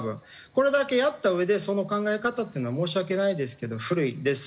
これだけやったうえでその考え方っていうのは申し訳ないですけど古いです。